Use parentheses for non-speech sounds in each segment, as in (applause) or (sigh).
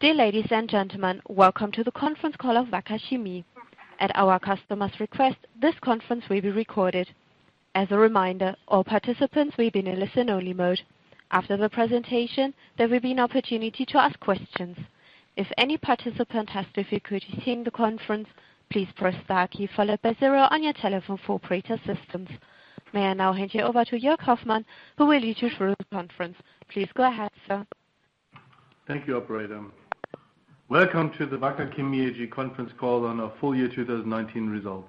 Dear ladies and gentlemen, welcome to the conference call of Wacker Chemie. At our customers' request, this conference will be recorded. As a reminder, all participants will be in listen-only mode. After the presentation, there will be an opportunity to ask questions. If any participant has difficulty hearing the conference, please press star key followed by zero on your telephone for operator assistance. May I now hand you over to Joerg Hoffmann, who will lead you through the conference. Please go ahead, sir. Thank you, operator. Welcome to the Wacker Chemie AG conference call on our full year 2019 results.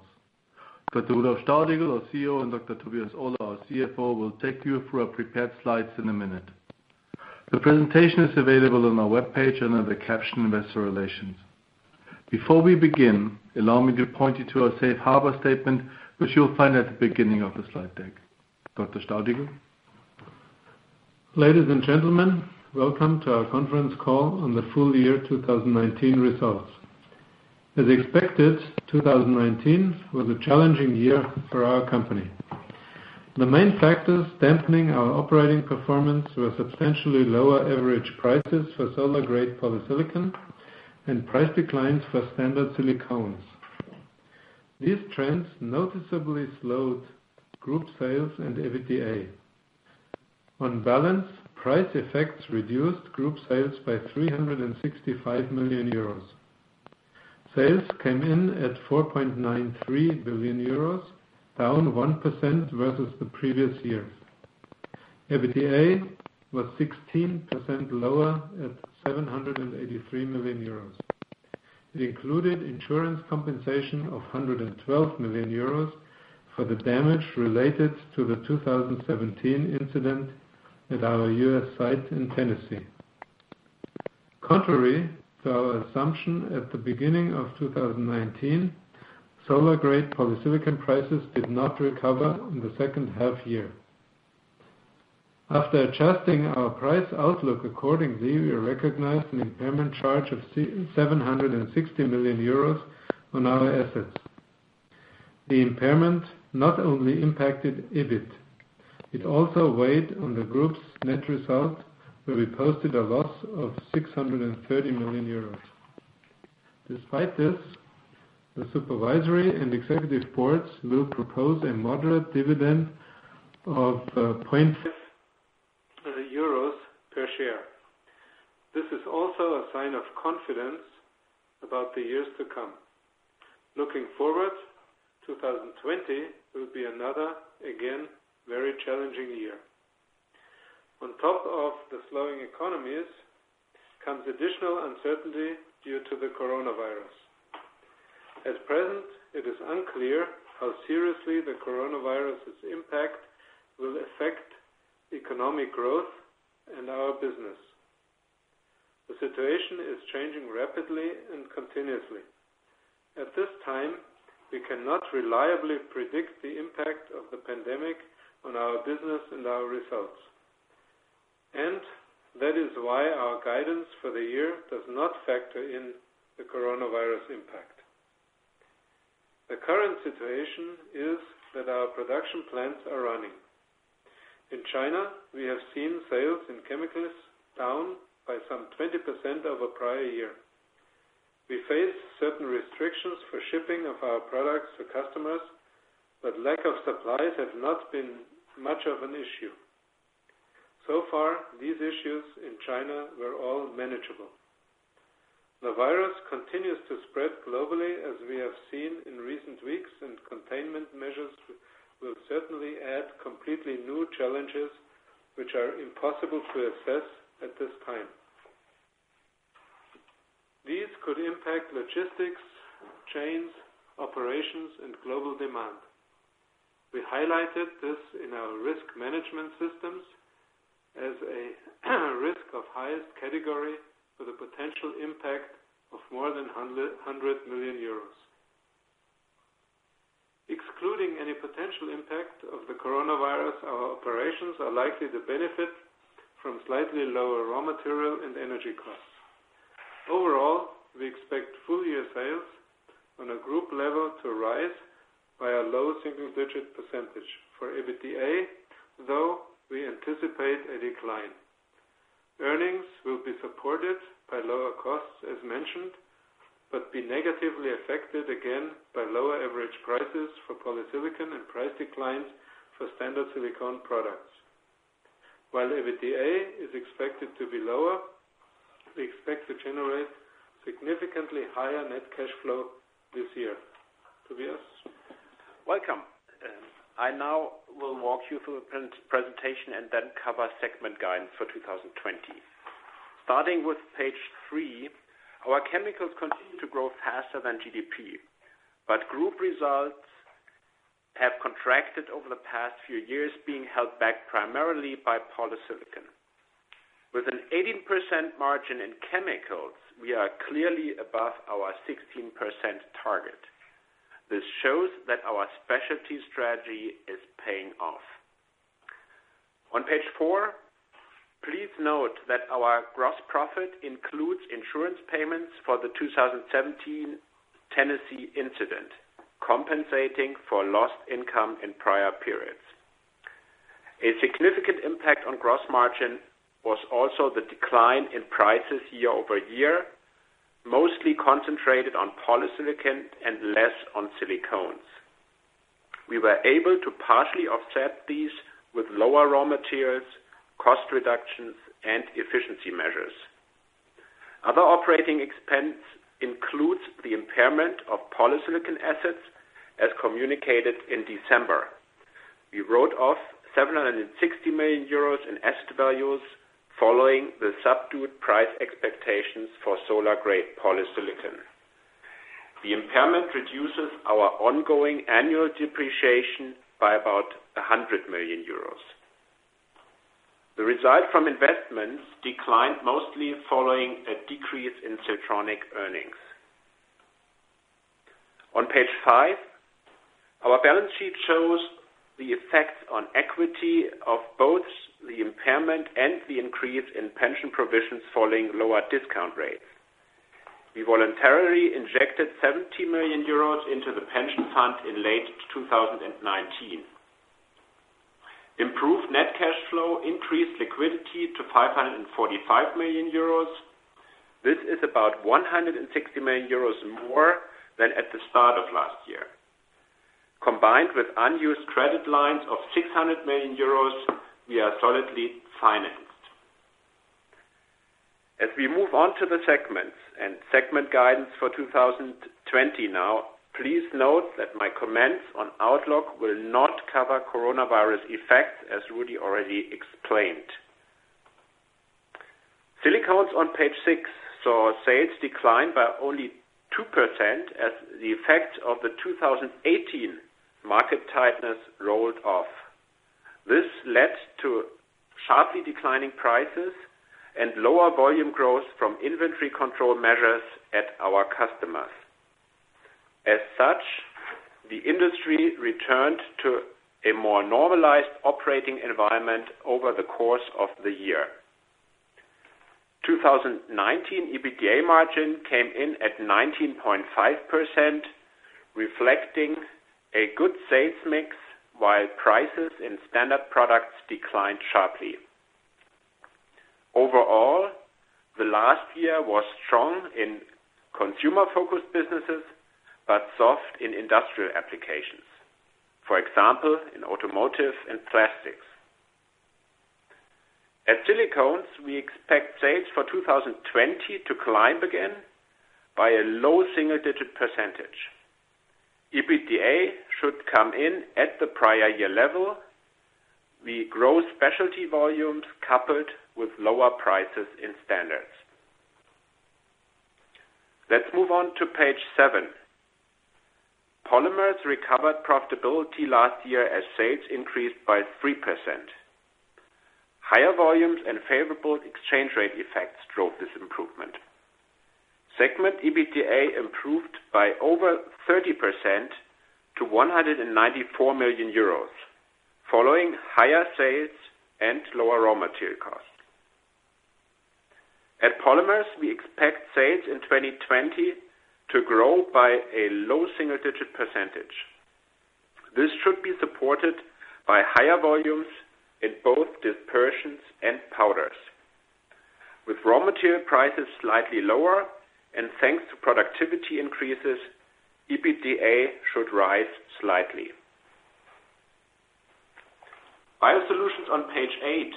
Dr. Rudolf Staudigl, our CEO, and Dr. Tobias Ohler, our CFO, will take you through our prepared slides in a minute. The presentation is available on our webpage under the caption Investor Relations. Before we begin, allow me to point you to our safe harbor statement, which you'll find at the beginning of the slide deck. Dr. Staudigl? Ladies and gentlemen, welcome to our conference call on the full year 2019 results. As expected, 2019 was a challenging year for our company. The main factors dampening our operating performance were substantially lower average prices for solar-grade polysilicon and price declines for standard silicones. These trends noticeably slowed group sales and EBITDA. On balance, price effects reduced group sales by 365 million euros. Sales came in at 4.93 billion euros, down 1% versus the previous year. EBITDA was 16% lower at 783 million euros. It included insurance compensation of 112 million euros for the damage related to the 2017 incident at our U.S. site in Tennessee. Contrary to our assumption at the beginning of 2019, solar-grade polysilicon prices did not recover in the second half year. After adjusting our price outlook accordingly, we recognized an impairment charge of 760 million euros on our assets. The impairment not only impacted EBIT, it also weighed on the group's net result, where we posted a loss of 630 million euros. Despite this, the supervisory and executive boards will propose a moderate dividend of 0.50 euros per share. This is also a sign of confidence about the years to come. Looking forward, 2020 will be another, again, very challenging year. On top of the slowing economies comes additional uncertainty due to the coronavirus. At present, it is unclear how seriously the coronavirus's impact will affect economic growth and our business. The situation is changing rapidly and continuously. At this time, we cannot reliably predict the impact of the pandemic on our business and our results. Hence, that is why our guidance for the year does not factor in the coronavirus impact. The current situation is that our production plants are running. In China, we have seen sales in chemicals down by some 20% over prior year. We face certain restrictions for shipping of our products to customers, but lack of supplies has not been much of an issue. So far, these issues in China were all manageable. The virus continues to spread globally as we have seen in recent weeks, and containment measures will certainly add completely new challenges, which are impossible to assess at this time. These could impact logistics, chains, operations, and global demand. We highlighted this in our risk management systems as a risk of highest category with a potential impact of more than 100 million euros. Excluding any potential impact of the coronavirus, our operations are likely to benefit from slightly lower raw material and energy costs. Overall, we expect full-year sales on a group level to rise by a low single-digit percentage. For EBITDA, though, we anticipate a decline. Earnings will be supported by lower costs as mentioned, but be negatively affected again by lower average prices for polysilicon and price declines for standard silicone products. While EBITDA is expected to be lower, we expect to generate significantly higher net cash flow this year. Tobias? Welcome. I now will walk you through the presentation and then cover segment guidance for 2020. Starting with page three, our chemicals continue to grow faster than GDP. Group results have contracted over the past few years, being held back primarily by polysilicon. With an 18% margin in chemicals, we are clearly above our 16% target. This shows that our specialty strategy is paying off. On page four, please note that our gross profit includes insurance payments for the 2017 Tennessee incident, compensating for lost income in prior periods. A significant impact on gross margin was also the decline in prices year-over-year, mostly concentrated on polysilicon and less on silicones. We were able to partially offset these with lower raw materials, cost reductions, and efficiency measures. Other operating expense includes the impairment of polysilicon assets, as communicated in December. We wrote off 760 million euros in asset values following the subdued price expectations for solar-grade polysilicon. The impairment reduces our ongoing annual depreciation by about 100 million euros. The result from investments declined mostly following a decrease in Siltronic earnings. On page five, our balance sheet shows the effects on equity of both the impairment and the increase in pension provisions following lower discount rates. We voluntarily injected 70 million euros into the pension fund in late 2019. Improved net cash flow increased liquidity to 545 million euros. This is about 160 million euros more than at the start of last year. Combined with unused credit lines of 600 million euros, we are solidly financed. As we move on to the segments and segment guidance for 2020 now, please note that my comments on outlook will not cover coronavirus effects, as Rudi already explained. Silicones on page six saw sales decline by only 2% as the effect of the 2018 market tightness rolled off. This led to sharply declining prices and lower volume growth from inventory control measures at our customers. As such, the industry returned to a more normalized operating environment over the course of the year. 2019 EBITDA margin came in at 19.5%, reflecting a good sales mix while prices in standard products declined sharply. Overall, the last year was strong in consumer-focused businesses, but soft in industrial applications. For example, in automotive and plastics. At silicones, we expect sales for 2020 to climb again by a low single-digit percentage. EBITDA should come in at the prior year level. We grow specialty volumes coupled with lower prices in standards. Let's move on to page seven. Polymers recovered profitability last year as sales increased by 3%. Higher volumes and favorable exchange rate effects drove this improvement. Segment EBITDA improved by over 30% to 194 million euros, following higher sales and lower raw material costs. At polymers, we expect sales in 2020 to grow by a low single-digit percentage. This should be supported by higher volumes in both dispersions and powders. With raw material prices slightly lower and thanks to productivity increases, EBITDA should rise slightly. Biosolutions on page eight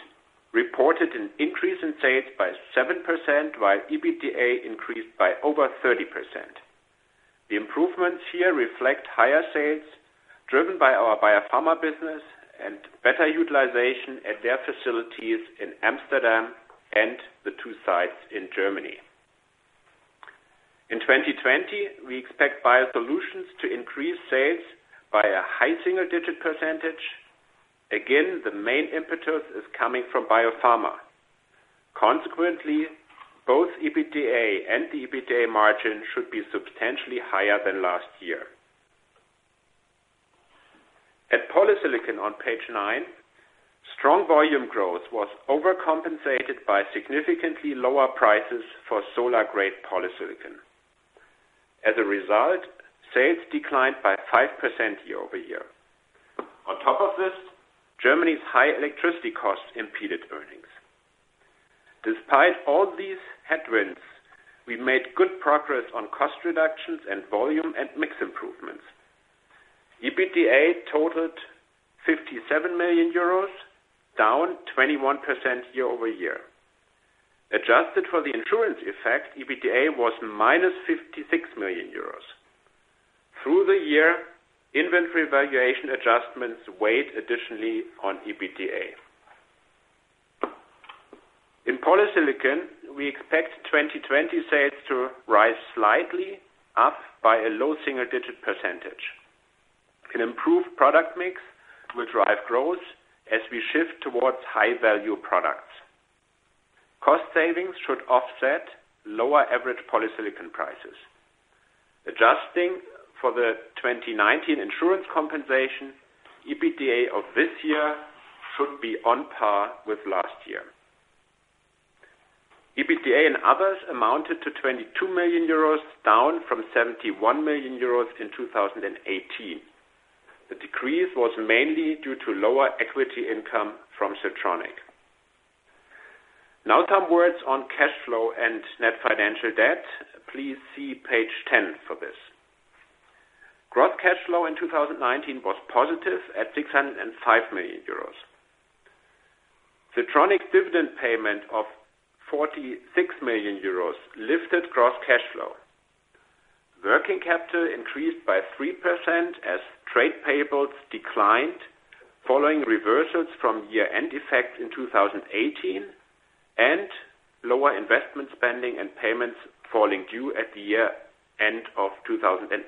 reported an increase in sales by 7%, while EBITDA increased by over 30%. The improvements here reflect higher sales driven by our biopharma business and better utilization at their facilities in Amsterdam and the two sites in Germany. In 2020, we expect biosolutions to increase sales by a high single-digit percentage. Again, the main impetus is coming from biopharma. Consequently, both EBITDA and the EBITDA margin should be substantially higher than last year. At polysilicon on page nine, strong volume growth was overcompensated by significantly lower prices for solar-grade polysilicon. As a result, sales declined by 5% year-over-year. On top of this, Germany's high electricity costs impeded earnings. Despite all these headwinds, we made good progress on cost reductions and volume and mix improvements. EBITDA totaled 57 million euros, down 21% year-over-year. Adjusted for the insurance effect, EBITDA was -56 million euros. Through the year, inventory valuation adjustments weighed additionally on EBITDA. In polysilicon, we expect 2020 sales to rise slightly, up by a low single-digit percentage. An improved product mix will drive growth as we shift towards high-value products. Cost savings should offset lower average polysilicon prices. Adjusting for the 2019 insurance compensation, EBITDA of this year should be on par with last year. EBITDA and others amounted to 22 million euros, down from 71 million euros in 2018. The decrease was mainly due to lower equity income from Siltronic. Now, some words on cash flow and net financial debt. Please see page 10 for this. Gross cash flow in 2019 was positive at 605 million euros. Siltronic's dividend payment of 46 million euros lifted gross cash flow. Working capital increased by 3% as trade payables declined following reversals from year-end effects in 2018 and lower investment spending and payments falling due at the year-end of 2019.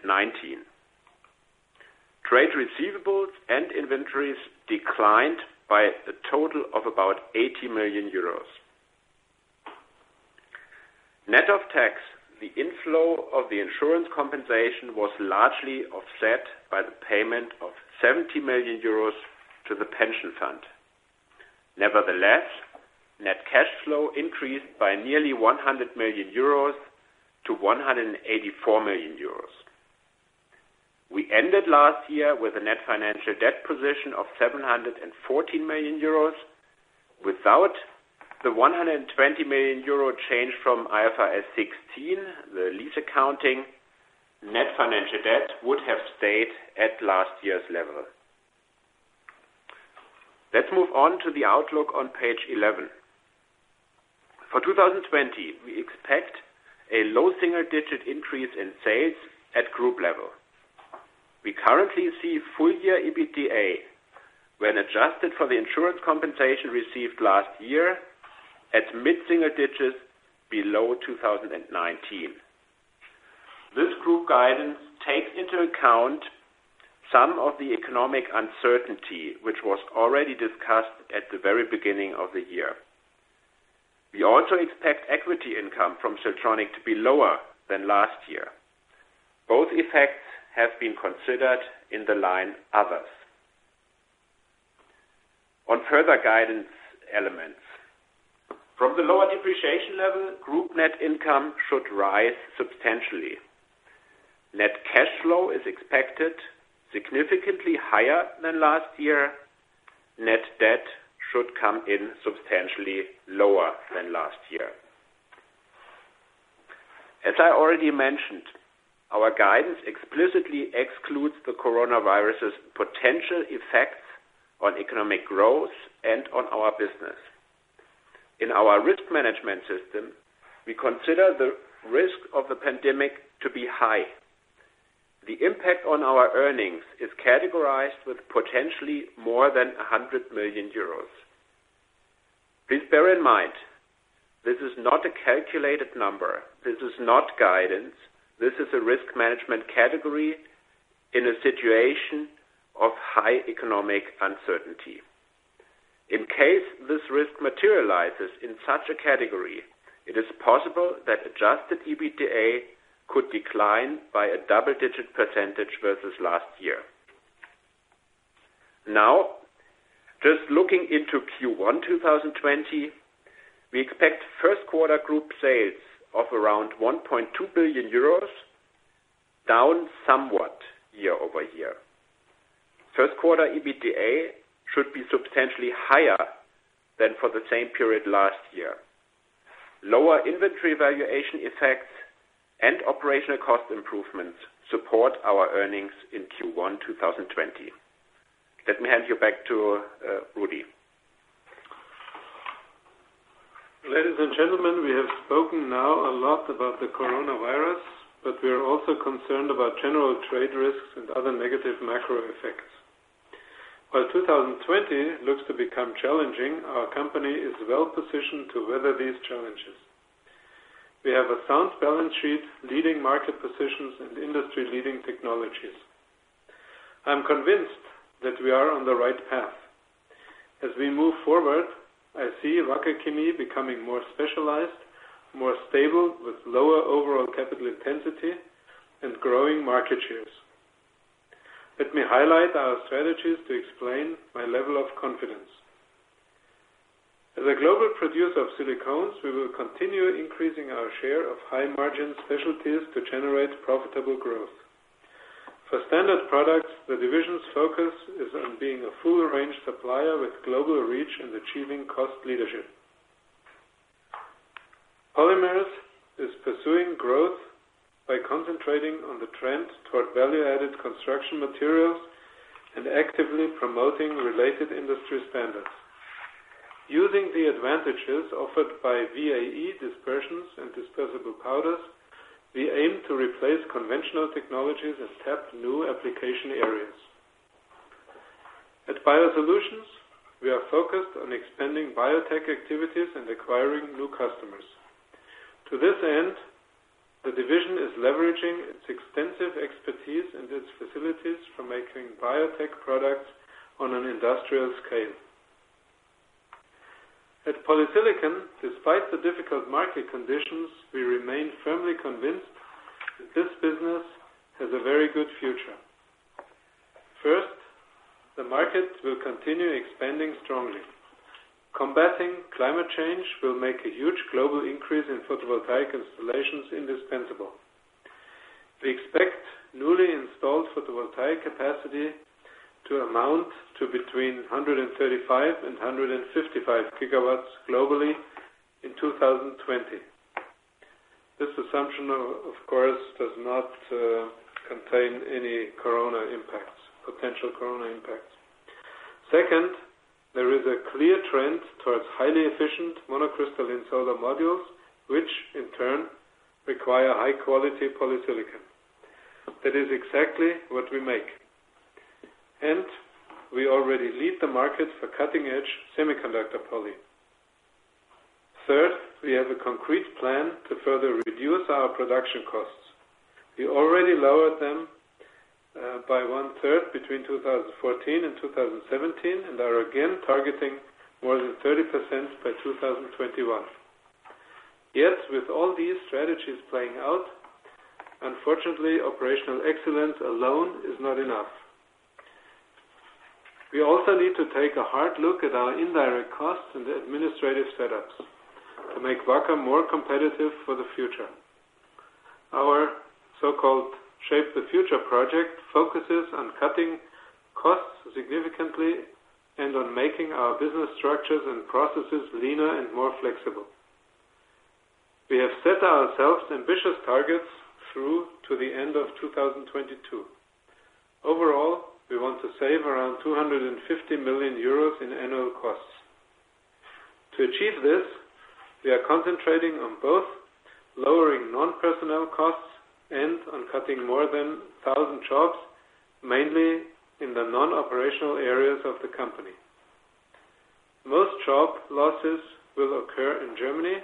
Trade receivables and inventories declined by a total of about 80 million euros. Net of tax, the inflow of the insurance compensation was largely offset by the payment of 70 million euros to the pension fund. Nevertheless, net cash flow increased by nearly 100 million euros to 184 million euros. We ended last year with a net financial debt position of 714 million euros. Without the 120 million euro change from IFRS 16, the lease accounting, net financial debt would have stayed at last year's level. Let's move on to the outlook on page 11. For 2020, we expect a low single-digit increase in sales at group level. We currently see full year EBITDA, when adjusted for the insurance compensation received last year, at mid-single digits below 2019. This group guidance takes into account some of the economic uncertainty, which was already discussed at the very beginning of the year. We also expect equity income from Siltronic to be lower than last year. Both effects have been considered in the line others. On further guidance elements. From the lower depreciation level, group net income should rise substantially. Net cash flow is expected significantly higher than last year. Net debt should come in substantially lower than last year. As I already mentioned, our guidance explicitly excludes the coronavirus's potential effects on economic growth and on our business. In our risk management system, we consider the risk of the pandemic to be high. The impact on our earnings is categorized with potentially more than 100 million euros. Please bear in mind, this is not a calculated number. This is not guidance. This is a risk management category in a situation of high economic uncertainty. In case this risk materializes in such a category, it is possible that adjusted EBITDA could decline by a double-digit percentage versus last year. Now, just looking into Q1 2020, we expect first quarter group sales of around 1.2 billion euros, down somewhat year-over-year. First quarter EBITDA should be substantially higher than for the same period last year. Lower inventory valuation effects and operational cost improvements support our earnings in Q1 2020. Let me hand you back to Rudi. Ladies and gentlemen, we have spoken now a lot about the coronavirus, but we are also concerned about general trade risks and other negative macro effects. While 2020 looks to become challenging, our company is well-positioned to weather these challenges. We have a sound balance sheet, leading market positions and industry-leading technologies. I'm convinced that we are on the right path. As we move forward, I see Wacker Chemie becoming more specialized, more stable with lower overall capital intensity and growing market shares. Let me highlight our strategies to explain my level of confidence. As a global producer of silicones, we will continue increasing our share of high-margin specialties to generate profitable growth. For standard products, the division's focus is on being a full range supplier with global reach in achieving cost leadership. Polymers is pursuing growth by concentrating on the trend toward value-added construction materials and actively promoting related industry standards. Using the advantages offered by VAE dispersions and dispersible powders, we aim to replace conventional technologies and tap new application areas. At biosolutions, we are focused on expanding biotech activities and acquiring new customers. To this end, the division is leveraging its extensive expertise and its facilities for making biotech products on an industrial scale. At polysilicon, despite the difficult market conditions, we remain firmly convinced that this business has a very good future. First, the market will continue expanding strongly. Combating climate change will make a huge global increase in photovoltaic installations indispensable. We expect newly installed photovoltaic capacity to amount to between 135 GW and 155 GW globally in 2020. This assumption, of course, does not contain any potential corona impacts. Second, there is a clear trend towards highly efficient monocrystalline solar modules, which in turn require high-quality polysilicon. That is exactly what we make. And we already lead the market for cutting-edge semiconductor poly. Third, we have a concrete plan to further reduce our production costs. We already lowered them by 1/3 between 2014 and 2017 and are again targeting more than 30% by 2021. Yet, with all these strategies playing out, unfortunately, operational excellence alone is not enough. We also need to take a hard look at our indirect costs and administrative setups to make Wacker more competitive for the future. Our so-called Shape the Future project focuses on cutting costs significantly and on making our business structures and processes leaner and more flexible. We have set ourselves ambitious targets through to the end of 2022. Overall, we want to save around 250 million euros in annual costs. To achieve this, we are concentrating on both lowering non-personnel costs and on cutting more than 1,000 jobs, mainly in the non-operational areas of the company. Most job losses will occur in Germany,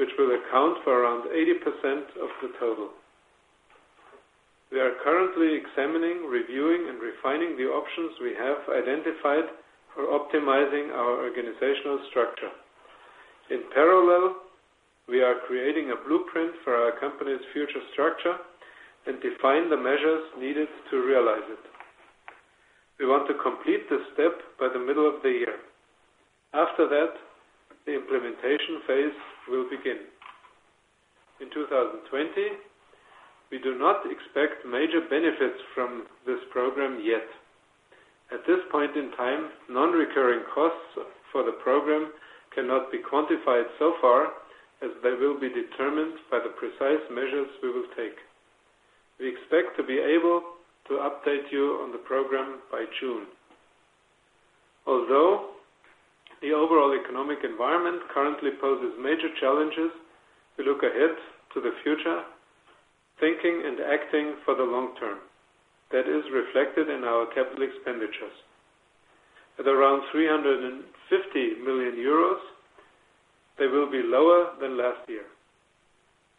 which will account for around 80% of the total. We are currently examining, reviewing, and refining the options we have identified for optimizing our organizational structure. In parallel, we are creating a blueprint for our company's future structure and define the measures needed to realize it. We want to complete this step by the middle of the year. After that, the implementation phase will begin. In 2020, we do not expect major benefits from this program yet. At this point in time, non-recurring costs for the program cannot be quantified so far as they will be determined by the precise measures we will take. We expect to be able to update you on the program by June. Although the overall economic environment currently poses major challenges, we look ahead to the future, thinking and acting for the long term. That is reflected in our capital expenditures. At around 350 million euros, they will be lower than last year.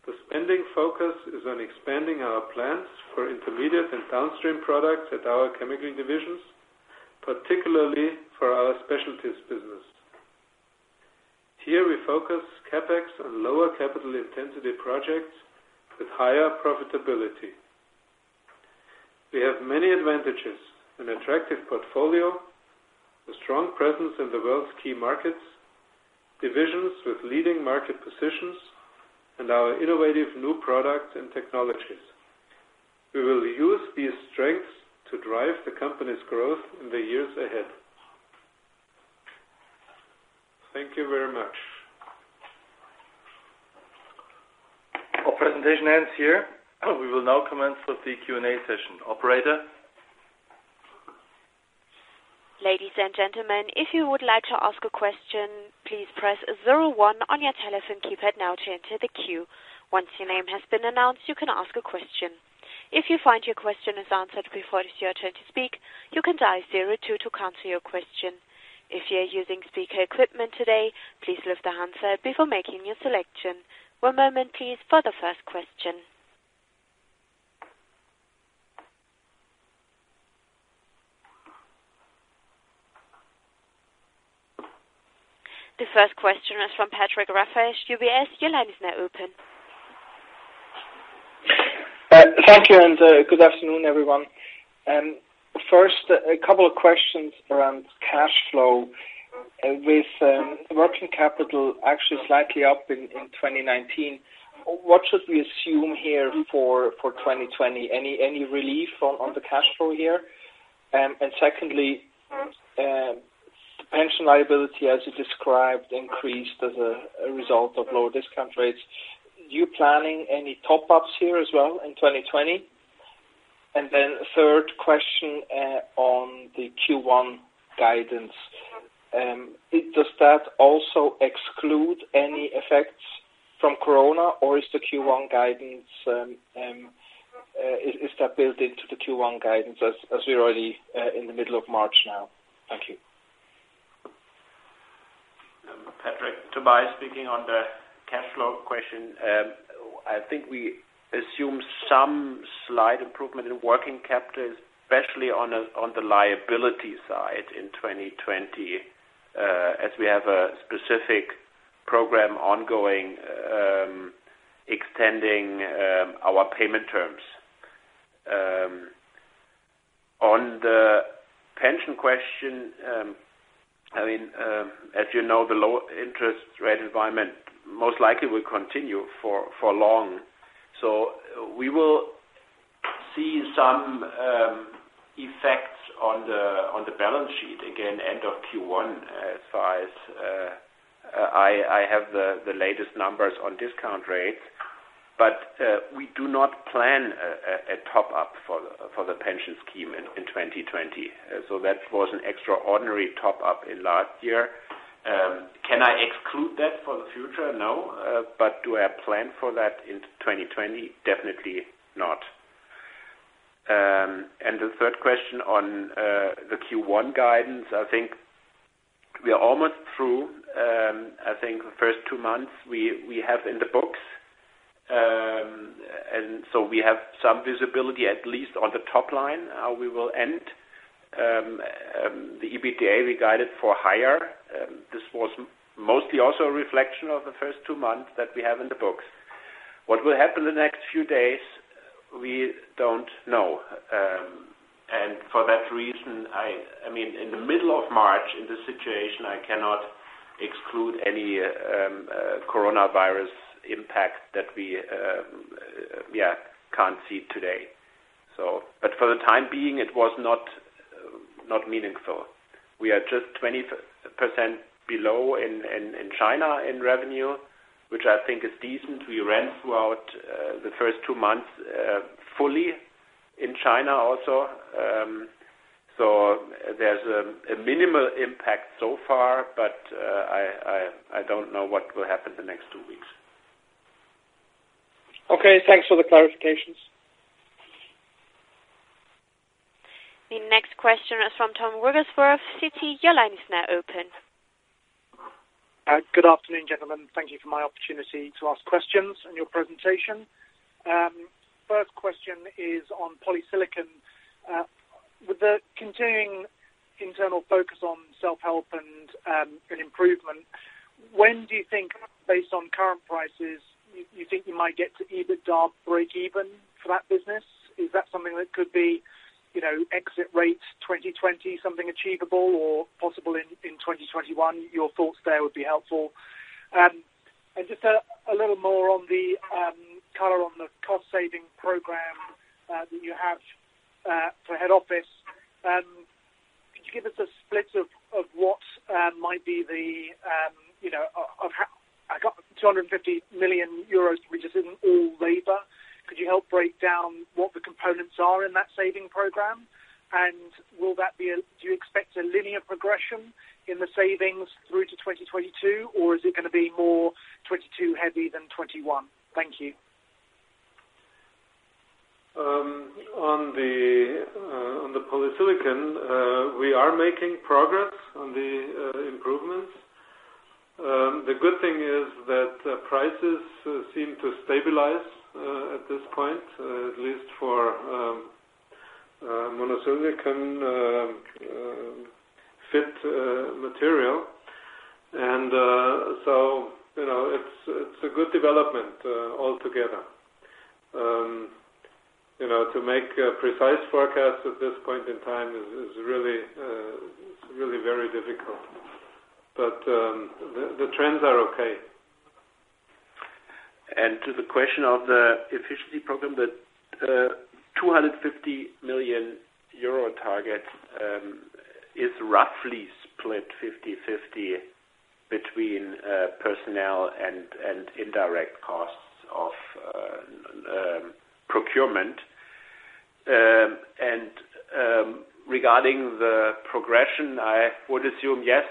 The spending focus is on expanding our plants for intermediate and downstream products at our chemical divisions, particularly for our specialties business. Here, we focus CapEx on lower capital intensity projects with higher profitability. We have many advantages, an attractive portfolio, a strong presence in the world's key markets, divisions with leading market positions, and our innovative new products and technologies. We will use these strengths to drive the company's growth in the years ahead. Thank you very much. Our presentation ends here. We will now commence with the Q&A session. Operator? Ladies and gentlemen, if you would like to ask a question, please press zero one on your telephone keypad now to enter the queue. Once your name has been announced, you can ask a question. If you find your question is answered before it is your turn to speak, you can dial zero two to cancel your question. If you are using speaker equipment today, please lift the handset before making your selection. One moment please for the first question. The first question is from Patrick Rafaisz, UBS. Your line is now open. Thank you and good afternoon, everyone. First, a couple of questions around cash flow. With working capital actually slightly up in 2019, what should we assume here for 2020? Any relief on the cash flow here? Secondly, pension liability, as you described, increased as a result of lower discount rates. You planning any top-ups here as well in 2020? Then, third question on the Q1 guidance. Does that also exclude any effects from corona, or is that built into the Q1 guidance as we're already in the middle of March now? Thank you. Patrick, Tobias speaking on the cash flow question. I think we assume some slight improvement in working capital, especially on the liability side in 2020, as we have a specific program ongoing, extending our payment terms. On the pension question, as you know, the low-interest-rate environment most likely will continue for long, so we will see some effects on the balance sheet again end of Q1, as far as I have the latest numbers on discount rates. We do not plan a top-up for the pension scheme in 2020. That was an extraordinary top-up in last year. Can I exclude that for the future? No. Do I plan for that in 2020? Definitely not. The third question on the Q1 guidance, I think we are almost through. I think the first two months we have in the books. We have some visibility, at least on the top line, how we will end. The EBITDA, we guided for higher. This was mostly also a reflection of the first two months that we have in the books. What will happen the next few days, we don't know. For that reason, I mean, in the middle of March, in this situation, I cannot exclude any coronavirus impact that we can't see today. For the time being, it was not meaningful. We are just 20% below in China in revenue, which I think is decent. We ran throughout the first two months fully in China also. There's a minimal impact so far, but I don't know what will happen the next two weeks. Okay, thanks for the clarifications. The next question is from Tom Wrigglesworth, Citi. Your line is now open. Good afternoon, gentlemen. Thank you for my opportunity to ask questions and your presentation. First question is on polysilicon. With the continuing internal focus on self-help and improvement, when do you think, based on current prices, you think you might get to EBITDA breakeven for that business? Is that something that could be exit rate 2020, something achievable or possible in 2021? Your thoughts there would be helpful. Then, just a little more on the color on the cost-saving program that you have for head office. Could you give us a split of what might be the, you know, I got 250 million euros, which isn't all labor, could you help break down what the components are in that saving program? Do you expect a linear progression in the savings through to 2022, or is it going to be more 2022 heavy than 2021? Thank you. On the polysilicon, we are making progress on the improvements. The good thing is that prices seem to stabilize at this point, at least for monosilicon fit material. It's a good development altogether. To make a precise forecast at this point in time is really very difficult, but the trends are okay. To the question of the efficiency program, the 250 million euro target is roughly split 50/50 between personnel and indirect costs of procurement. Regarding the progression, I would assume, yes,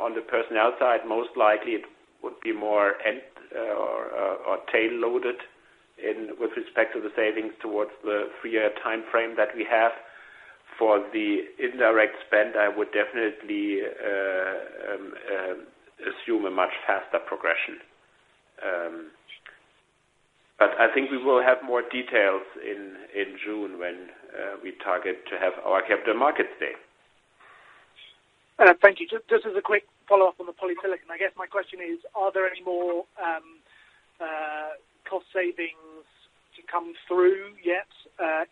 on the personnel side, most likely it would be more end or tail-loaded with respect to the savings towards the three-year timeframe that we have. For the indirect spend, I would definitely assume a much faster progression. I think we will have more details in June when we target to have our Capital Markets Day. Thank you. Just as a quick follow-up on the polysilicon. I guess my question is, are there any more cost savings to come through yet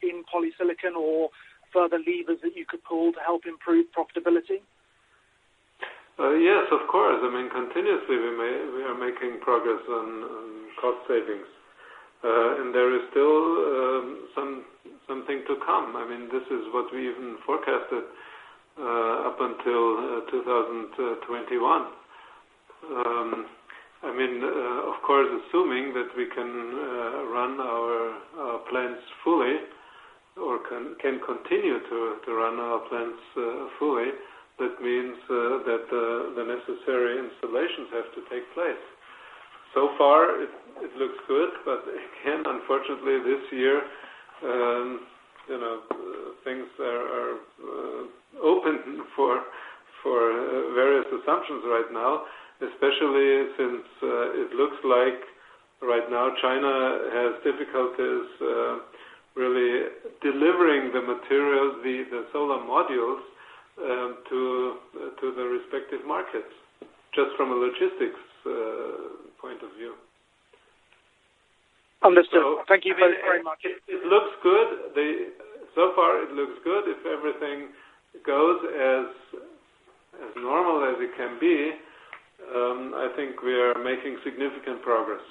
in polysilicon or further levers that you could pull to help improve profitability? Yes, of course. Continuously, we are making progress on cost savings. There is still something to come. I mean, this is what we even forecasted up until 2021. Of course, assuming that we can run our plants fully or can continue to run our plants fully, that means that the necessary installations have to take place. So far, it looks good, but again, unfortunately, this year, things are open for various assumptions right now, especially since it looks like right now, China has difficulties really delivering the materials, the solar modules, to the respective markets, just from a logistics point of view. Understood. Thank you both very much. It looks good. So far, it looks good. If everything goes as normal as it can be, I think we are making significant progress.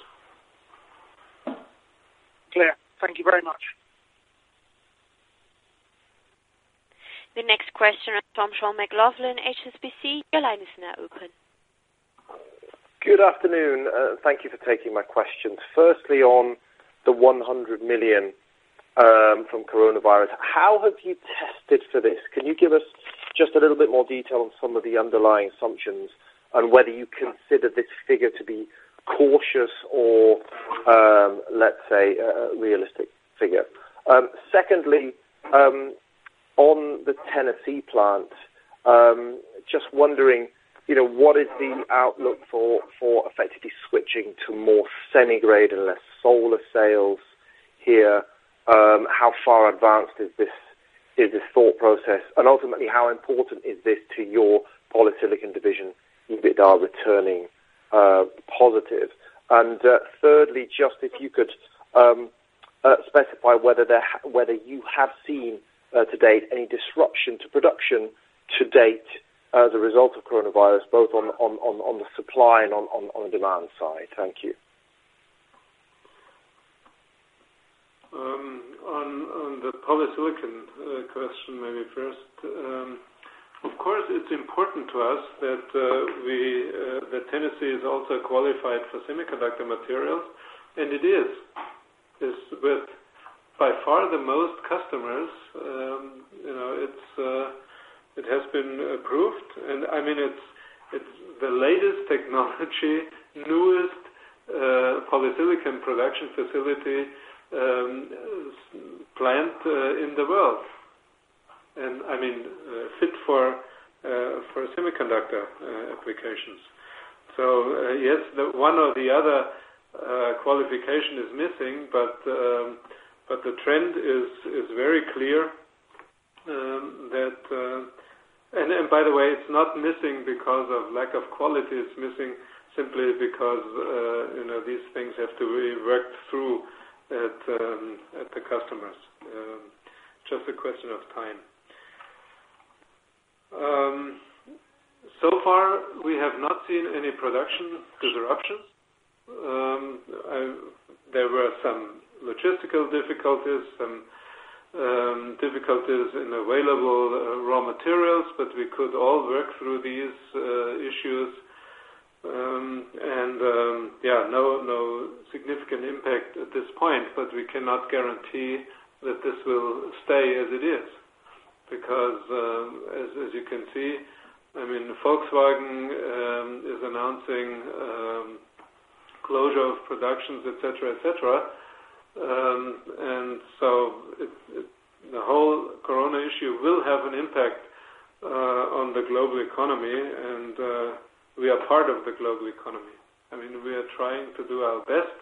Clear. Thank you very much. The next question is from Sean McLoughlin, HSBC. Your line is now open. Good afternoon. Thank you for taking my questions. Firstly, on the 100 million from coronavirus, how have you tested for this? Can you give us just a little bit more detail on some of the underlying assumptions and whether you consider this figure to be cautious or, let's say, a realistic figure? Secondly, on the Tennessee plant, just wondering, what is the outlook for effectively switching to more semi grade and less solar sales here? How far advanced is this thought process, and ultimately, how important is this to your polysilicon division EBITDA returning positive? Thirdly, just if you could specify whether you have seen to date any disruption to production to date as a result of coronavirus, both on the supply and on demand side? Thank you. On the polysilicon question, maybe first. Of course, it's important to us that Tennessee is also qualified for semiconductor materials, and it is. It's with, by far, the most customers. It has been approved, I mean, it's the latest technology, newest polysilicon production facility plant in the world. I mean, fit for semiconductor applications. Yes, one or the other qualification is missing, but the trend is very clear. By the way, it's not missing because of lack of quality. It's missing simply because these things have to really work through at the customers. Just a question of time. So far, we have not seen any production disruptions. There were some logistical difficulties, some difficulties in available raw materials, but we could all work through these issues. Yeah, no significant impact at this point, but we cannot guarantee that this will stay as it is because as you can see, Volkswagen is announcing closure of productions, et cetera, et cetera. The whole corona issue will have an impact on the global economy, and we are part of the global economy. We are trying to do our best,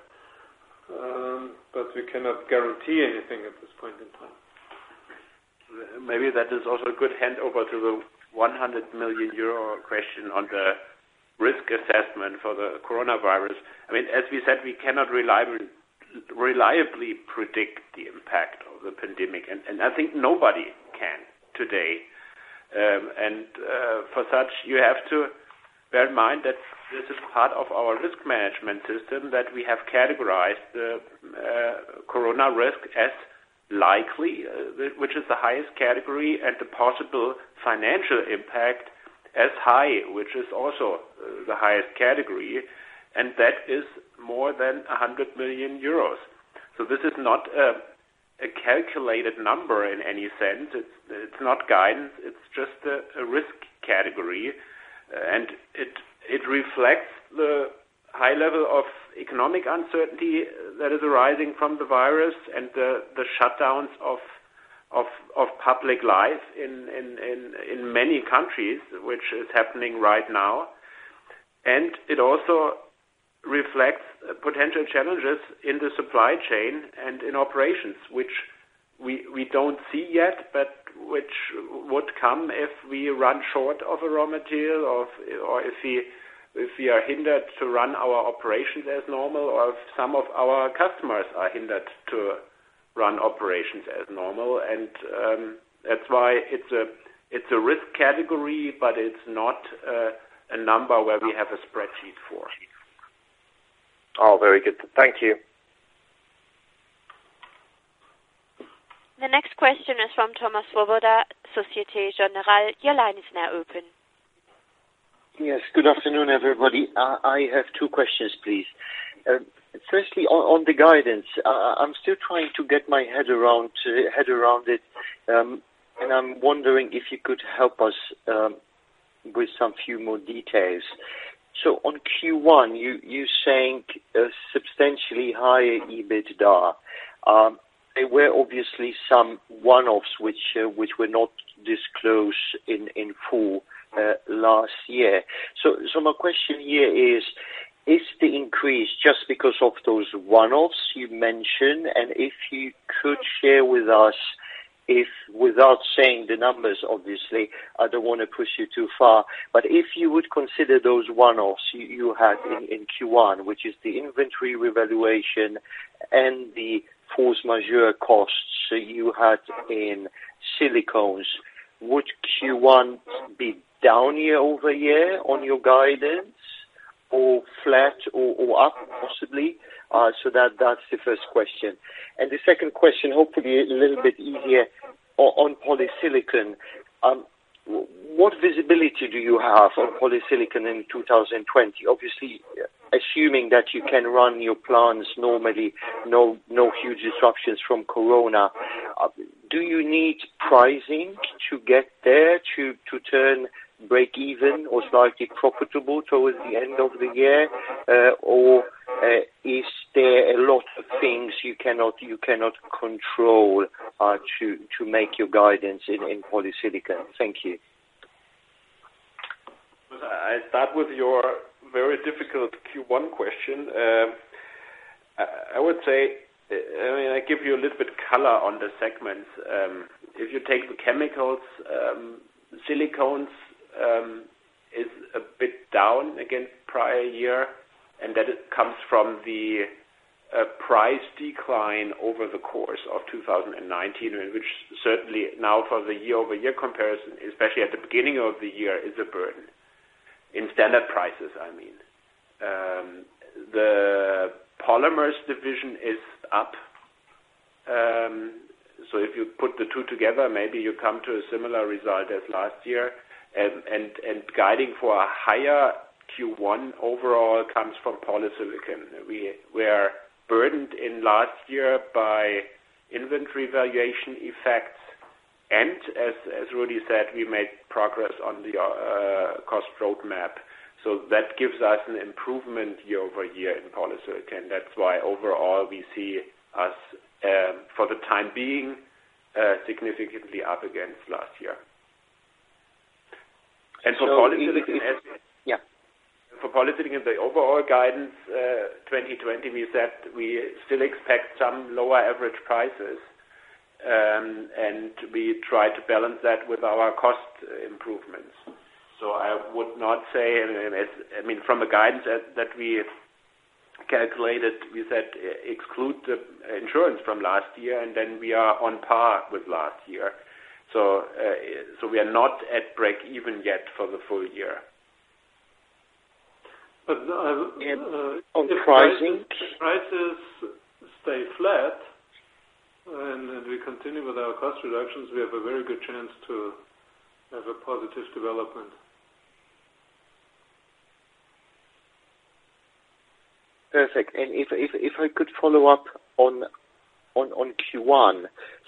but we cannot guarantee anything at this point in time. Maybe that is also a good handover to the 100 million euro question on the risk assessment for the coronavirus. As we said, we cannot reliably predict the impact of the pandemic, and I think nobody can today. For such, you have to bear in mind that this is part of our risk management system that we have categorized the corona risk as likely, which is the highest category, the possible financial impact as high, which is also the highest category, and that is more than 100 million euros. This is not a calculated number in any sense. It's not guidance. It's just a risk category. It reflects the high level of economic uncertainty that is arising from the virus and the shutdowns of public life in many countries, which is happening right now. It also reflects potential challenges in the supply chain and in operations, which we don't see yet, but which would come if we run short of a raw material, or if we are hindered to run our operations as normal, or if some of our customers are hindered to run operations as normal. That's why it's a risk category, but it's not a number where we have a spreadsheet for. All very good. Thank you. The next question is from Thomas Swoboda, Societe Generale. Your line is now open. Good afternoon, everybody. I have two questions, please. Firstly, on the guidance. I'm still trying to get my head around it and I'm wondering if you could help us with some few more details. On Q1, you're saying a substantially higher EBITDA. There were obviously some one-offs which were not disclosed in full last year. My question here is, is the increase just because of those one-offs you mentioned? If you could share with us, without saying the numbers, obviously, I don't want to push you too far, but if you would consider those one-offs you had in Q1, which is the inventory revaluation and the force majeure costs that you had in silicones, would Q1 be down year-over-year on your guidance or flat or up possibly? That's the first question. The second question, hopefully a little bit easier, on polysilicon. What visibility do you have on polysilicon in 2020? Obviously, assuming that you can run your plants normally, no huge disruptions from corona, do you need pricing to get there to turn breakeven or slightly profitable towards the end of the year? Or is there a lot of things you cannot control to make your guidance in polysilicon? Thank you. I start with your very difficult Q1 question. I would say, and I give you a little bit color on the segments, if you take the chemicals, silicones is a bit down against prior year, and that comes from the price decline over the course of 2019, which certainly now for the year-over-year comparison, especially at the beginning of the year, is a burden. In standard prices, I mean. The polymers division is up. If you put the two together, maybe you come to a similar result as last year. And guiding for a higher Q1 overall comes from polysilicon. We are burdened in last year by inventory valuation effects, and as Rudi said, we made progress on the cost roadmap, so that gives us an improvement year-over-year in polysilicon. That's why overall, we see us, for the time being, significantly up against last year. And so. For polysilicon. Yeah. For polysilicon, the overall guidance 2020, we said we still expect some lower average prices, and we try to balance that with our cost improvements. So, I would not say, from the guidance that we calculated, we said exclude the insurance from last year, then we are on par with last year. We are not at breakeven yet for the full year. But. On pricing? If prices stay flat and we continue with our cost reductions, we have a very good chance to have a positive development. Perfect. If I could follow up on Q1.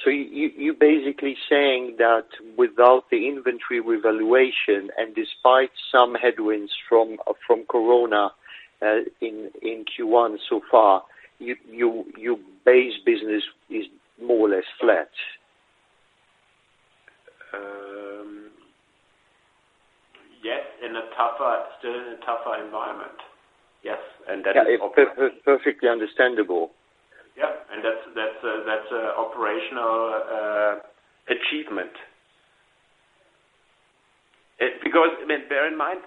You're basically saying that without the inventory revaluation, and despite some headwinds from corona in Q1 so far, your base business is more or less flat? Yes, still in a tougher environment. Yes. Yeah. Perfectly understandable. Yeah. That's an operational achievement. Bear in mind,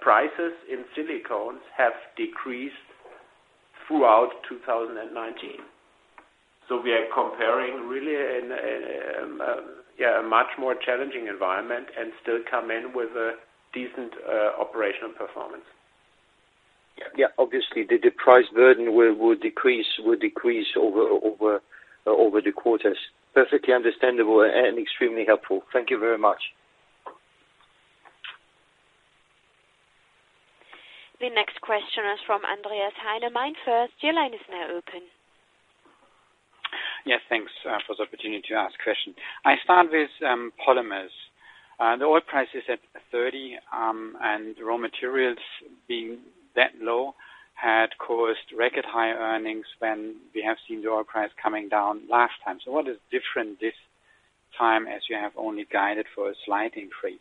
prices in silicones have decreased throughout 2019. We are comparing really a much more challenging environment and still come in with a decent operational performance. Yeah. Obviously, the price burden will decrease over the quarters. Perfectly understandable and extremely helpful. Thank you very much. The next question is from Andreas Heine, MainFirst. Your line is now open. Yes, thanks for the opportunity to ask question. I start with polymers. The oil price is at 30, and raw materials being that low had caused record high earnings when we have seen the oil price coming down last time. What is different this time, as you have only guided for a slight increase?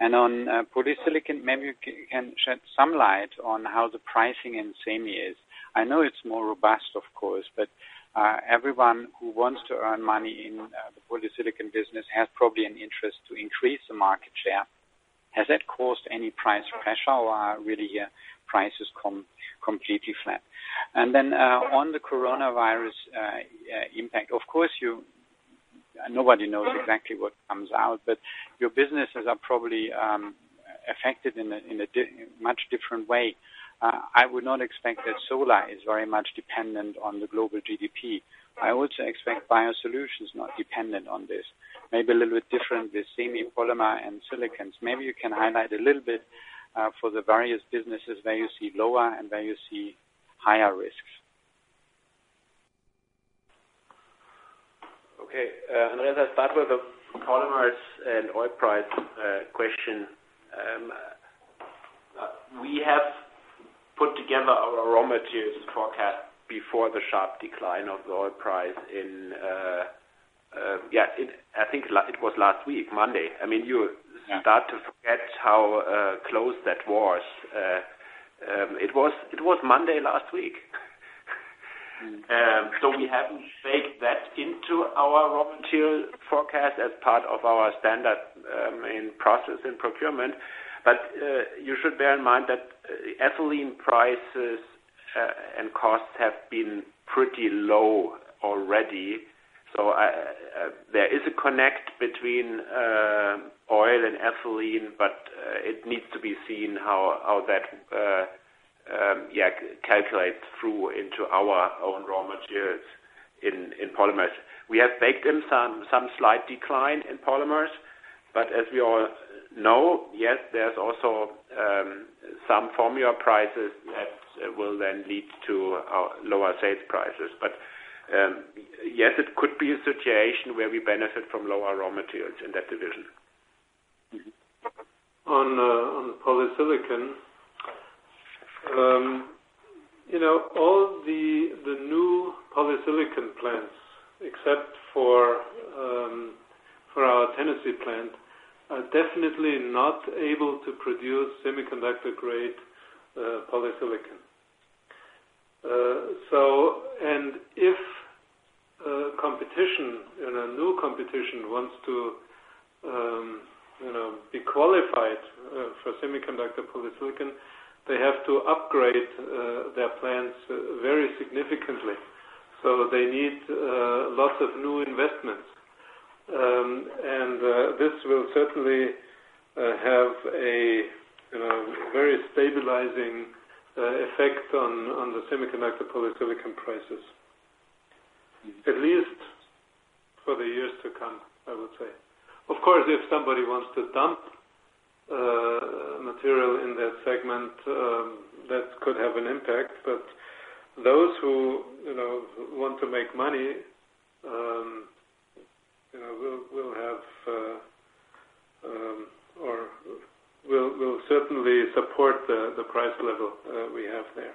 On polysilicon, maybe you can shed some light on how the pricing in semi is. I know it's more robust, of course, but everyone who wants to earn money in the polysilicon business has probably an interest to increase the market share. Has that caused any price pressure, or are really prices completely flat? Then, on the coronavirus impact, of course, nobody knows exactly what comes out, but your businesses are probably affected in a much different way. I would not expect that solar is very much dependent on the global GDP. I also expect biosolutions not dependent on this. Maybe a little bit different with semi, polymers, and silicones. Maybe you can highlight a little bit for the various businesses where you see lower and where you see higher risks. Okay. Andreas, I start with the polymers and oil price question. We have put together a raw materials forecast before the sharp decline of the oil price in, I think it was last week, Monday. You start to forget how close that was. It was Monday last week. We haven't baked that into our raw material forecast as part of our standard main process in procurement, but you should bear in mind that ethylene prices and costs have been pretty low already. There is a connect between oil and ethylene, but it needs to be seen how that calculates through into our own raw materials in polymers. We have baked in some slight decline in polymers, but as we all know, yes, there's also some formula prices that will then lead to lower sales prices. Yes, it could be a situation where we benefit from lower raw materials in that division. On polysilicon, all the new polysilicon plants, except for our Tennessee plant, are definitely not able to produce semiconductor-grade polysilicon. If competition, new competition, wants to be qualified for semiconductor polysilicon, they have to upgrade their plants very significantly. They need lots of new investments. This will certainly have a very stabilizing effect on the semiconductor polysilicon prices, at least for the years to come, I would say. Of course, if somebody wants to dump material in that segment, that could have an impact, but those who want to make money will certainly support the price level we have there.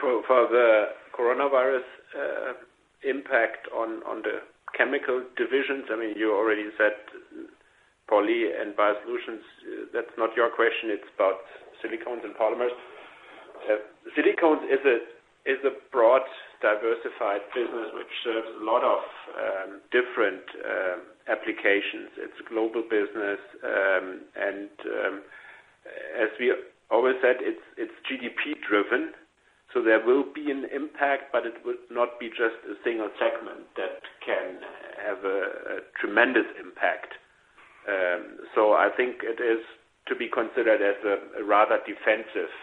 For the coronavirus impact on the chemical divisions, you already said poly and biosolutions, that's not your question, it's about silicones and polymers. Silicones is a broad, diversified business which serves a lot of different applications. It's a global business, and as we always said, it's GDP-driven, so there will be an impact, but it will not be just a single segment that can have a tremendous impact. I think it is to be considered as a rather defensive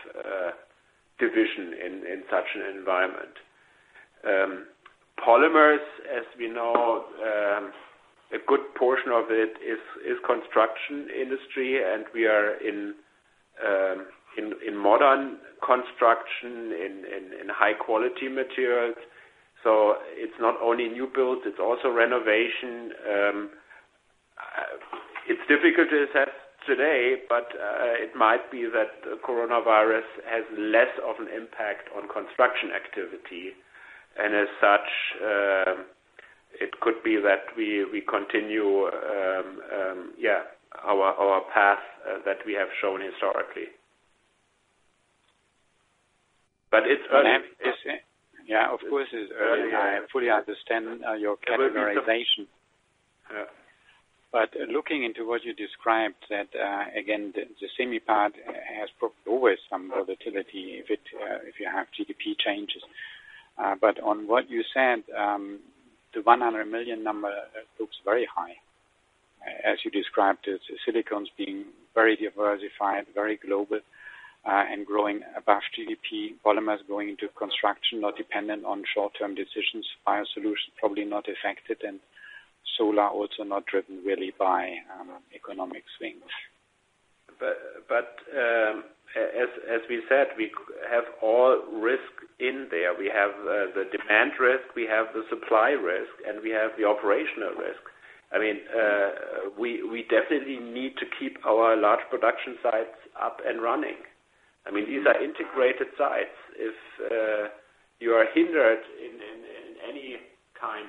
division in such an environment. Polymers, as we know, a good portion of it is construction industry, and we are in modern construction, in high-quality materials. So, it's not only new builds, it's also renovation. It's difficult to assess today, but it might be that the coronavirus has less of an impact on construction activity, and as such, it could be that we continue our path that we have shown historically. But it's early to say. (crosstalk) Yeah, of course, it's early. I fully understand your categorization. Looking into what you described, that again, the semi part has always some volatility if you have GDP changes. But on what you said, the 100 million number looks very high. As you described, silicones being very diversified, very global, and growing above GDP, polymers going into construction, not dependent on short-term decisions, biosolutions probably not affected, and solar also not driven really by economic swings. But as we said, we have all risk in there. We have the demand risk, we have the supply risk, and we have the operational risk. I mean, we definitely need to keep our large production sites up and running. These are integrated sites. If you are hindered in any kind,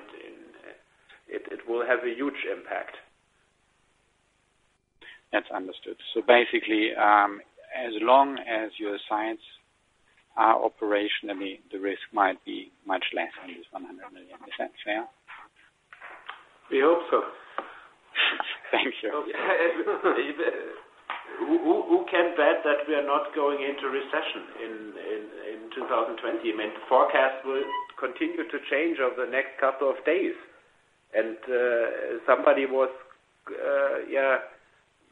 it will have a huge impact. That's understood. Basically, as long as your sites are operational, the risk might be much less than this 100 million. Is that fair? We hope so. Thank you. Who can bet that we are not going into recession in 2020? The forecast will continue to change over the next couple of days. Somebody was,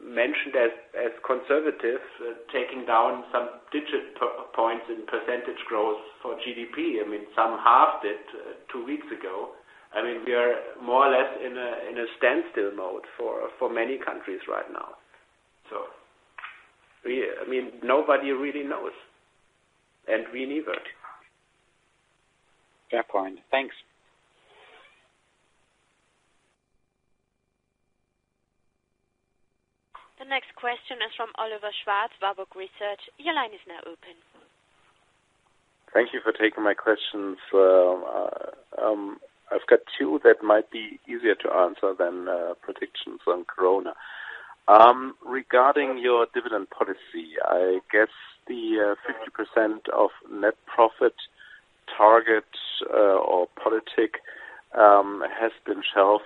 mentioned as conservative, taking down some digit points in percentage growth for GDP. Some halved it two weeks ago. We are more or less in a standstill mode for many countries right now. Nobody really knows, and we neither. Fair point. Thanks. The next question is from Oliver Schwarz, Warburg Research. Your line is now open. Thank you for taking my questions. I've got two that might be easier to answer than predictions on corona. Regarding your dividend policy, I guess the 50% of net profit target or politic has been shelved,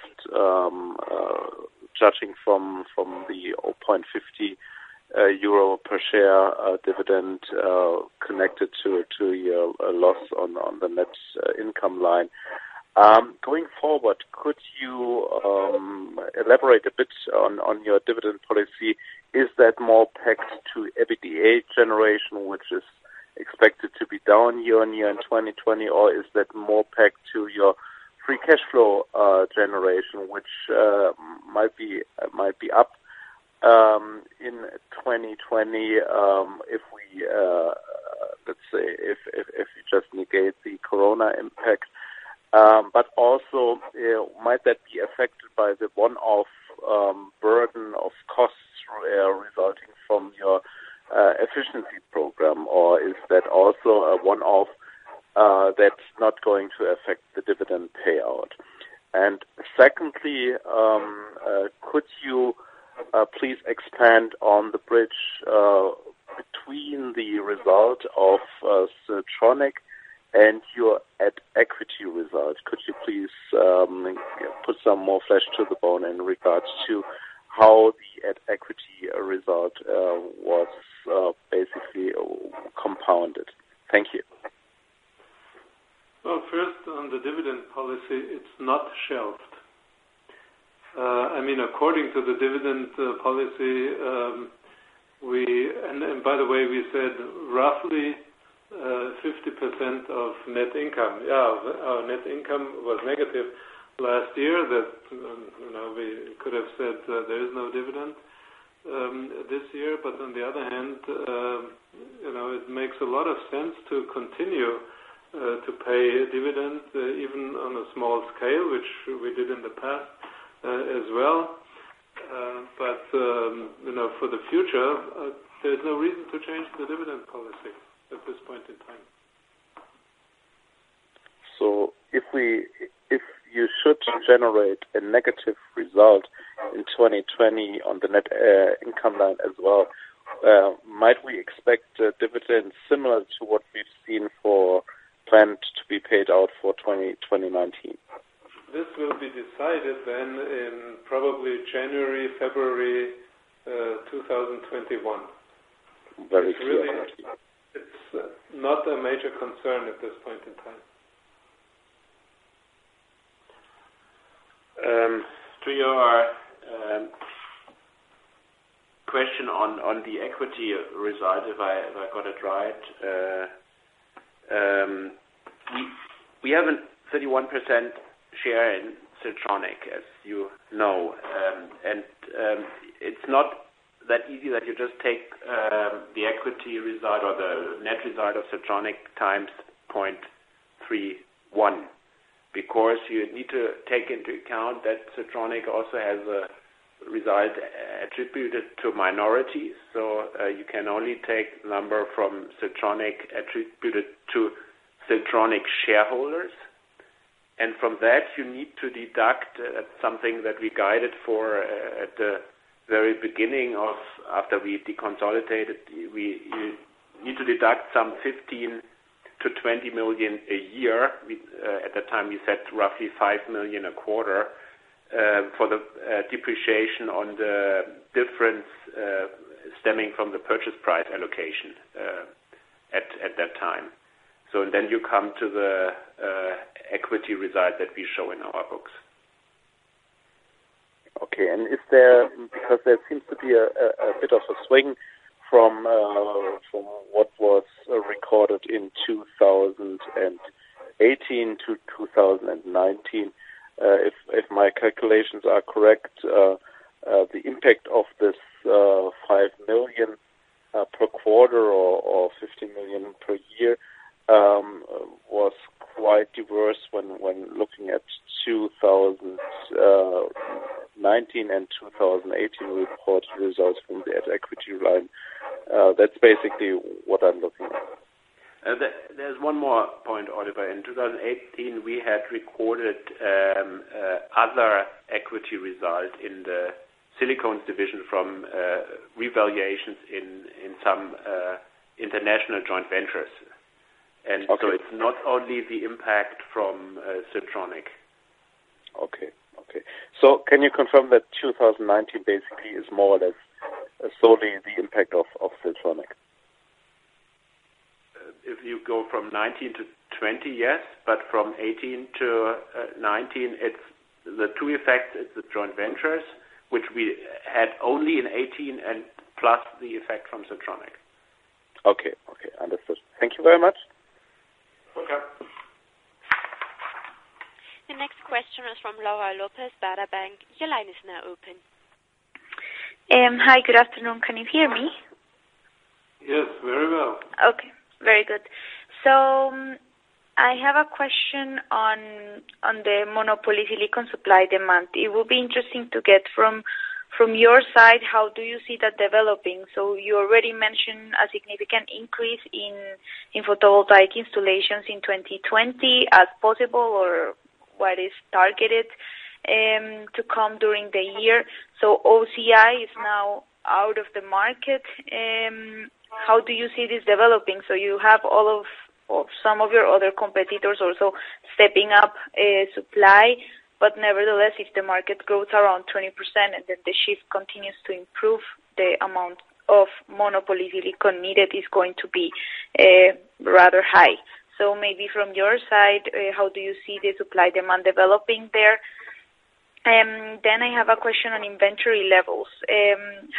judging from the 0.50 euro per share dividend connected to your loss on the net income line. Going forward, could you elaborate a bit on your dividend policy? Is that more pegged to EBITDA generation, which is expected to be down year-on-year in 2020, or is that more pegged to your free cash flow generation, which might be up in 2020 if we, let's say, if you just negate the corona impact? Also, might that be affected by the one-off burden of costs resulting from your efficiency program, or is that also a one-off that's not going to affect the dividend payout? Secondly, could you please expand on the bridge between the result of Siltronic and your at-equity result? Could you please put some more flesh to the bone in regards to how the at-equity result was basically compounded? Thank you. Well, first on the dividend policy, it's not shelved. According to the dividend policy, we, and by the way, we said roughly 50% of net income. Yeah, our net income was negative last year, we could have said there is no dividend this year, but on the other hand, it makes a lot of sense to continue to pay a dividend even on a small scale, which we did in the past as well. For the future, there's no reason to change the dividend policy at this point in time. If you should generate a negative result in 2020 on the net income line as well, might we expect a dividend similar to what we've seen planned to be paid out for 2019? This will be decided then in probably January, February 2021. Very clear. It's not a major concern at this point in time. To your question on the equity result, if I got it right. We have a 31% share in Siltronic, as you know. It's not that easy that you just take the equity result or the net result of Siltronic times 0.31, because you need to take into account that Siltronic also has a result attributed to minorities. You can only take the number from Siltronic attributed to Siltronic shareholders. From that, you need to deduct something that we guided for at the very beginning of after we deconsolidated. We need to deduct some 15 million-20 million a year. At that time, we said roughly 5 million a quarter for the depreciation on the difference stemming from the purchase price allocation at that time. Then, you come to the equity result that we show in our books. Okay. Because there seems to be a bit of a swing from what was recorded in 2018-2019, if my calculations are correct, the impact of this 5 million per quarter or 15 million per year was quite diverse when looking at 2019 and 2018 reported results from the at-equity line. That's basically what I'm looking at. There's one more point, Oliver. In 2018, we had recorded other equity results in the silicones division from revaluations in some international joint ventures. Okay. It's not only the impact from Siltronic. Okay. Can you confirm that 2019 basically is more or less solely the impact of Siltronic? If you go from 2019 to 2020, yes. But from 2018 to 2019, the two effects is the joint ventures, which we had only in 2018, and plus the effect from Siltronic. Okay. Understood. Thank you very much. Welcome. The next question is from Laura Lopez, Baader Bank. Your line is now open. Hi. Good afternoon. Can you hear me? Yes, very well. Okay, very good. I have a question on the mono polysilicon supply demand. It will be interesting to get from your side, how do you see that developing? You already mentioned a significant increase in photovoltaic installations in 2020 as possible, or what is targeted to come during the year. OCI is now out of the market. How do you see this developing? You have some of your other competitors also stepping up supply, but nevertheless, if the market grows around 20% and if the shift continues to improve, the amount of mono polysilicon needed is going to be rather high. Maybe from your side, how do you see the supply demand developing there? Then, I have a question on inventory levels.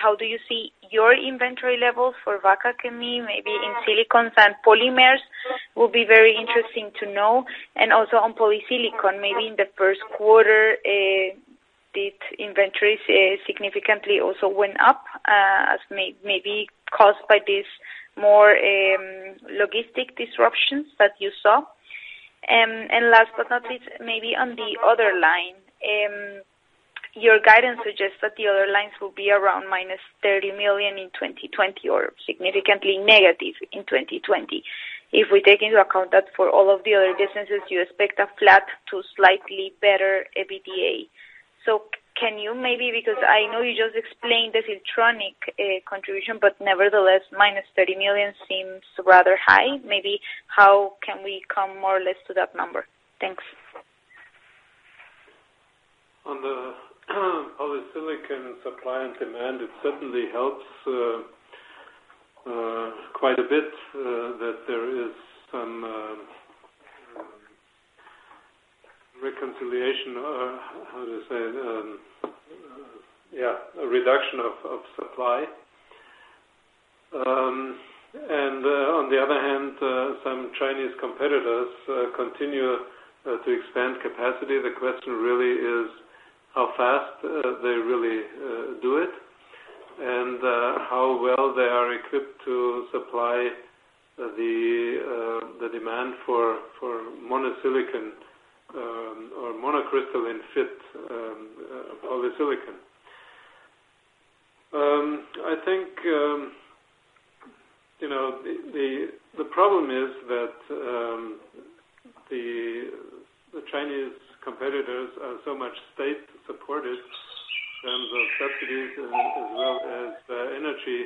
How do you see your inventory levels for Wacker Chemie, maybe in silicones and polymers? Will be very interesting to know. Also on polysilicon, maybe in the first quarter, did inventories significantly also went up, as maybe caused by these more logistic disruptions that you saw? Last but not least, maybe on the other line, your guidance suggests that the other lines will be around -30 million in 2020 or significantly negative in 2020. If we take into account that for all of the other businesses, you expect a flat to slightly better EBITDA. Can you maybe, because I know you just explained the Siltronic contribution, but nevertheless, -30 million seems rather high, maybe how can we come more or less to that number? Thanks. On the polysilicon supply and demand, it certainly helps quite a bit that there is some reconciliation, how to say, yeah, a reduction of supply. On the other hand, some Chinese competitors continue to expand capacity. The question really is how fast they really do it, and how well they are equipped to supply the demand for monosilicon or monocrystalline fit polysilicon. I think the problem is that the Chinese competitors are so much state-supported in terms of subsidies as well as energy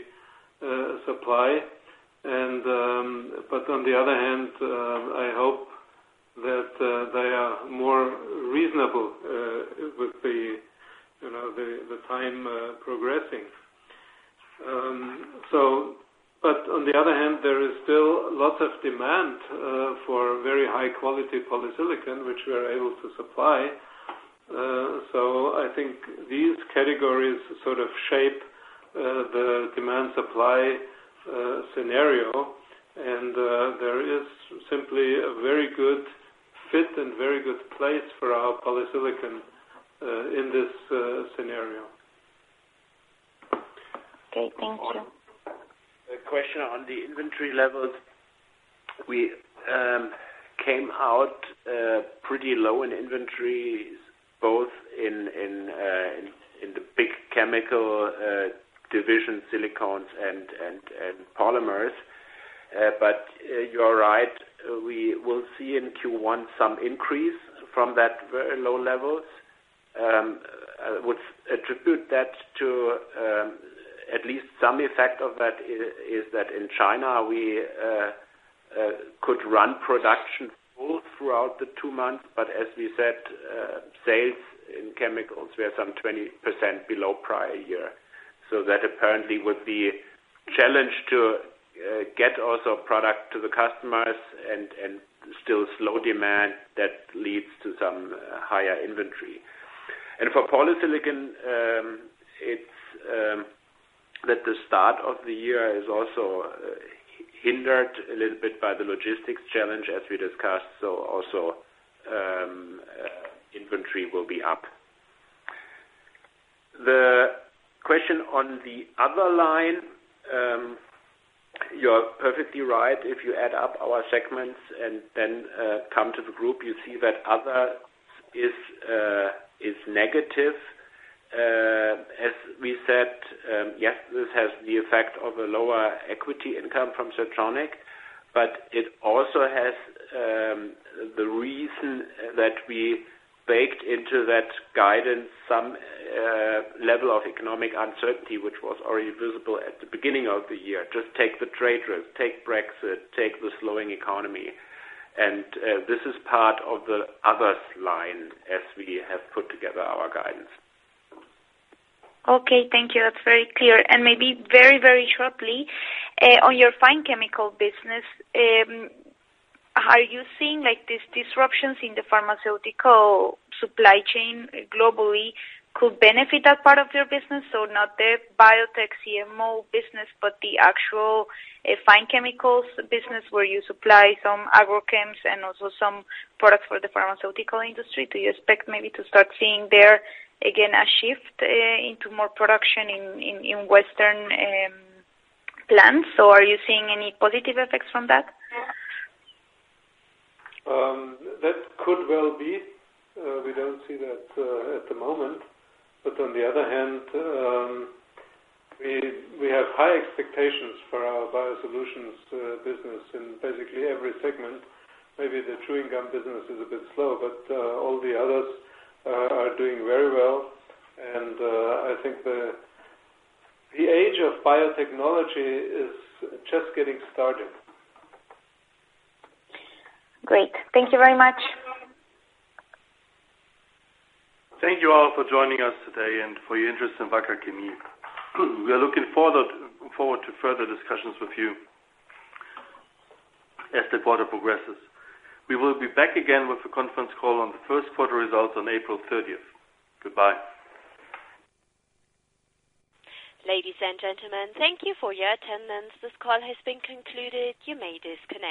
supply. On the other hand, I hope that they are more reasonable with the time progressing. On the other hand, there is still lots of demand for very high-quality polysilicon, which we are able to supply. I think these categories sort of shape the demand-supply scenario, and there is simply a very good fit and very good place for our polysilicon in this scenario. Okay, thank you. The question on the inventory levels. We came out pretty low in inventories, both in the big chemical division, silicones and polymers. You're right, we will see in Q1 some increase from that very low levels. I would attribute that to at least some effect of that is that in China, we could run production full throughout the two months, but as we said, sales in chemicals, we are some 20% below prior year. That apparently would be a challenge to get also product to the customers and still slow demand that leads to some higher inventory. For polysilicon, it's that the start of the year is also hindered a little bit by the logistics challenge, as we discussed, so also inventory will be up. The question on the other line, you're perfectly right. If you add up our segments and then come to the group, you see that other is negative. As we said, yes, this has the effect of a lower equity income from Siltronic, but it also has the reason that we baked into that guidance some level of economic uncertainty, which was already visible at the beginning of the year. Just take the trade risk, take Brexit, take the slowing economy. This is part of the others line as we have put together our guidance. Okay, thank you. That's very clear. Maybe very, very shortly, on your fine chemical business, are you seeing these disruptions in the pharmaceutical supply chain globally could benefit that part of your business? Not the biotech CMO business, but the actual fine chemicals business where you supply some agrochem and also some products for the pharmaceutical industry. Do you expect maybe to start seeing there, again, a shift into more production in Western plants? Are you seeing any positive effects from that? That could well be. We don't see that at the moment. On the other hand, we have high expectations for our biosolutions business in basically every segment. Maybe the chewing gum business is a bit slow, but all the others are doing very well. I think the age of biotechnology is just getting started. Great. Thank you very much. Thank you all for joining us today and for your interest in Wacker Chemie. We are looking forward to further discussions with you as the quarter progresses. We will be back again with a conference call on the first quarter results on April 30th. Goodbye. Ladies and gentlemen, thank you for your attendance. This call has been concluded. You may disconnect.